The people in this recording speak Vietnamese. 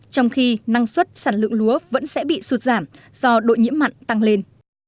trong khi năng suất sản lượng lúa vẫn sẽ bị sụt giảm do đội nhiễm mặn tăng lên